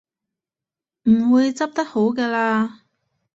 唔會執得好嘅喇